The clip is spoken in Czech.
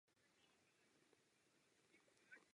Je laureátem ceny za rozvoj klasického zimního lezení.